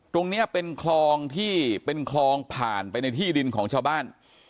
ตรงนี้เป็นคลองที่เป็นคลองผ่านไปในที่ดินของชาวบ้าน